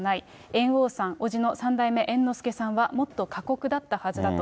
猿翁さん、伯父の三代目猿之助さんはもっと過酷だったはずだと。